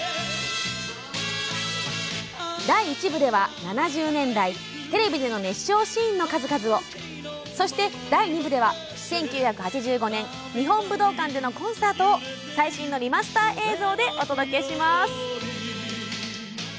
第１部では７０年代テレビでの熱唱シーンの数々をそして第２部では１９８５年日本武道館でのコンサートを最新のリマスター映像でお届けします。